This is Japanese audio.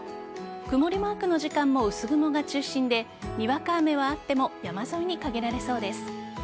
曇りマークの時間も薄雲が中心でにわか雨はあっても山沿いに限られそうです。